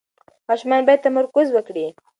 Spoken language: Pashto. ماشومان باید تمرکز وکړي.